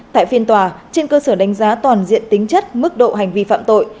tại phiên tòa trên cơ sở đánh giá toàn diện tính chất mức độ hành vi phạm tội